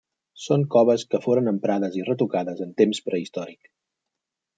Són coves que foren emprades i retocades en temps prehistòric.